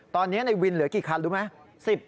ตอนนี้ในวินเหลือกี่คันรู้ไหม